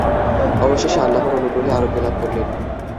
অবশেষে আল্লাহর অনুগ্রহে আরোগ্য লাভ করলেন।